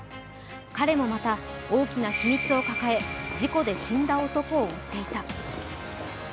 彼もまた、大きな秘密を抱え事故で死んだ男を追っていた。